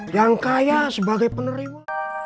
yang kaya sebagai penerima